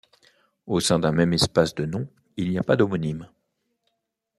Au sein d'un même espace de noms, il n'y a pas d'homonymes.